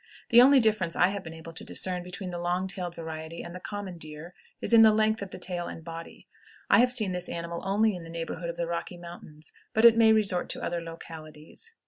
The only difference I have been able to discern between the long tailed variety and the common deer is in the length of the tail and body. I have seen this animal only in the neighborhood of the Rocky Mountains, but it may resort to other localities.